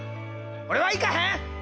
俺は行かへん！